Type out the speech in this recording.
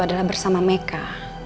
adalah bersama meka